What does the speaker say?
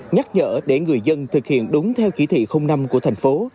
nhắc nhở để người dân thực hiện đúng theo chỉ thị năm của thành phố